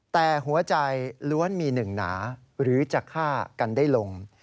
แต่หัวใจล้วนมีหนึ่งหนาหรือจะฆ่ากันได้ลง